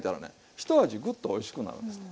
ひと味グッとおいしくなるんですね。